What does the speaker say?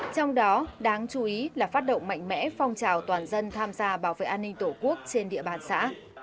công an xã đã bảo toàn dân tham gia bảo vệ an ninh tổ quốc trên địa bàn xã